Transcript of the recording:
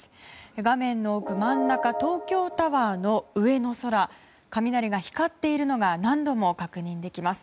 画面の奥、真ん中東京タワーの上の空雷が光っているのが何度も確認できます。